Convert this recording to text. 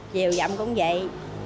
chiều dặm cũng dậy